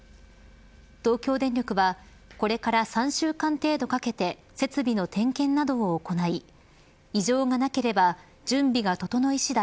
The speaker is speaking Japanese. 東京電力はこれから３週間程度かけて設備の点検などを行い異常がなければ、準備が整い次第